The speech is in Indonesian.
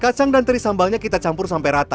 kacang dan teri sambalnya kita campur sampai rata